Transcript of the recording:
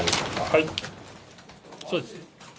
はい、そうです。